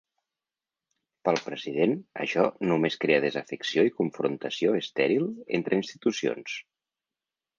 Pel president, això ‘només crea desafecció i confrontació estèril entre institucions’.